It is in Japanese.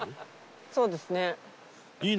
そうですね。